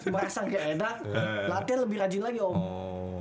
merasa kayak yaudah latihan lebih rajin lagi om